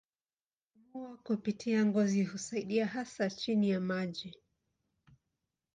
Kupumua kupitia ngozi husaidia hasa chini ya maji.